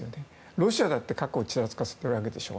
ロシアだって、核をちらつかせているわけでしょ。